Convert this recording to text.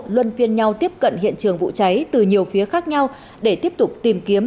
luân phiên nhau tiếp cận hiện trường vụ cháy từ nhiều phía khác nhau để tiếp tục tìm kiếm